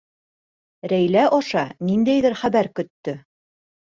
Рәйлә аша ниндәйҙер хәбәр көттө.